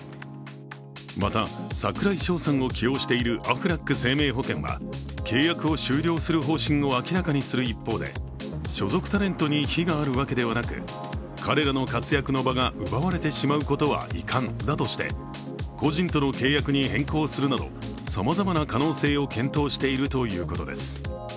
また、櫻井翔さんを起用しているアフラック生命保険は契約を終了する方針を明らかにする一方で、所属タレントに非があるわけではなく彼らの活躍の場が奪われてしまうことは遺憾だとして個人との契約に変更するなどさまざまな可能性を検討しているということです。